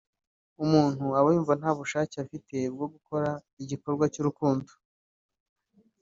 umuntu abayumva ntabushake afite bwo gukora igikorwa cy’urukundo